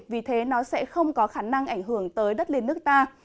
vì thế nó sẽ không có khả năng ảnh hưởng tới đất liền nước ta